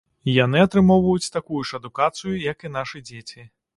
Яны атрымоўваюць такую ж адукацыю, як і нашы дзеці.